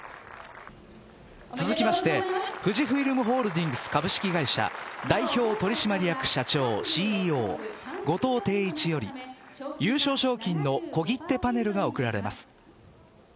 続きまして富士フイルムホールディングス株式会社代表取締役社長・ＣＥＯ後藤禎一より優勝賞金の小切手パネルが贈られます。